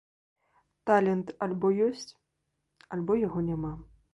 Талент альбо ёсць, альбо яго няма.